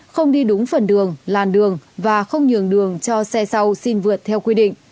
không đi đúng phần đường làn đường và không nhường đường cho xe sau xin vượt theo quy định